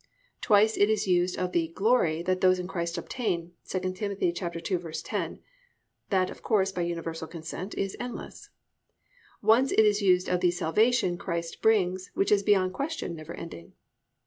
Twice it is used of the "glory" that those in Christ obtain (II Tim. 2:10). That, of course, by universal consent is endless. Once it is used of the "salvation" Christ brings, which is beyond question never ending.